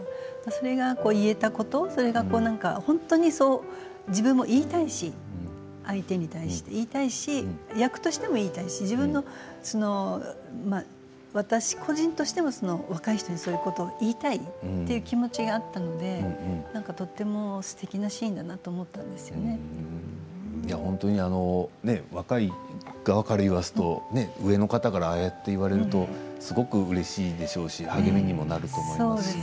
それが言えたことそれが本当に何か自分も言いたいし相手に対して役としても言いたいし私個人としても若い人にそういうことを言いたいという気持ちだったのでとてもすてきなシーンだなと若い側からすると上の方からああやって言われるとすごくうれしいでしょうし励みにもなると思いますし。